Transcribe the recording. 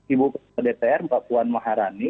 ibu dpr pak puan maharani